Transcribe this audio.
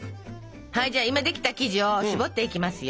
はいじゃあ今できた生地をしぼっていきますよ。